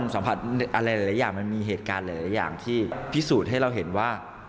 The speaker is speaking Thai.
สัมผัสอะไรหลายอย่างมันมีเหตุการณ์หลายอย่างที่พิสูจน์ให้เราเห็นว่า